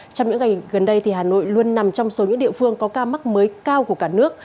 trong những ngày gần đây hà nội luôn nằm trong số những địa phương có ca mắc mới cao của cả nước